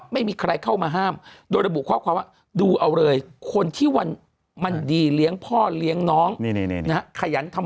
แต่ด้วยขณะเดียวกัน